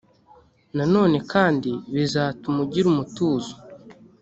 nanone kandi bizatuma ugira umutuzo,